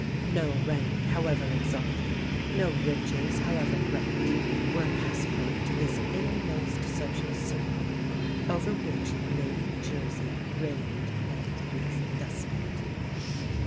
No rank, however exalted, no riches, however great, were a passport to this innermost social circle, over which Lady Jersey reigned like a beautiful despot.